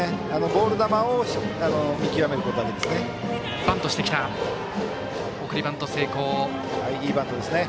ボール球を見極めることが大事ですね。